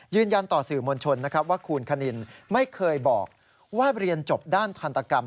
ยืนยันต่อสื่อมวลชนนะครับว่าคุณคณินไม่เคยบอกว่าเรียนจบด้านทันตกรรม